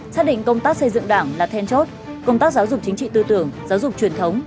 xác định công tác xây dựng đảng là then chốt công tác giáo dục chính trị tư tưởng giáo dục truyền thống